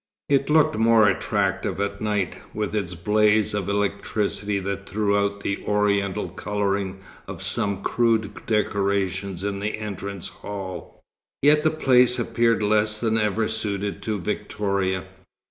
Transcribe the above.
It looked more attractive at night, with its blaze of electricity that threw out the Oriental colouring of some crude decorations in the entrance hall, yet the place appeared less than ever suited to Victoria.